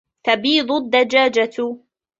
تَبِيضُ الدَّجاجَةٌ.